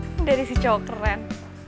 ini dari si cowok keren